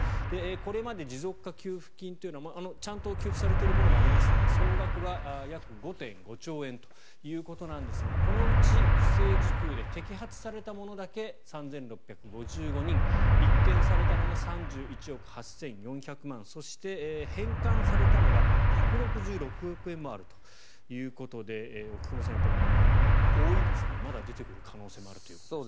これまで持続化給付金というのはちゃんと給付されているものもありますので総額は約５．５兆円ということなんですがこのうち不正受給で摘発されたものだけ３６５５人立件されたのが３１億８４００万円そして、返還されたのが１６６億円もあるということで奥窪さん、やっぱり多いですねまだ出てくる可能性もあるということで。